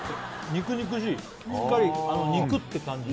肉肉しいしっかり肉って感じ